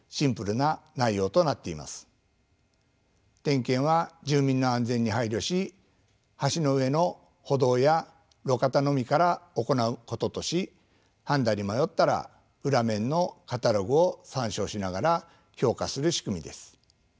点検は住民の安全に配慮し橋の上の歩道や路肩のみから行うこととし判断に迷ったら裏面のカタログを参照しながら評価する仕組みです。